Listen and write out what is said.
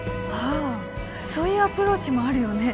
あそういうアプローチもあるよね